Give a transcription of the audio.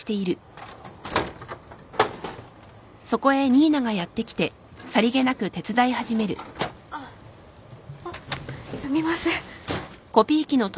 あああっすみません。